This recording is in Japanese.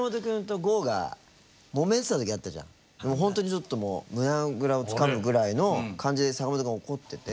ほんとにちょっともう胸ぐらをつかむぐらいの感じで坂本くんが怒ってて。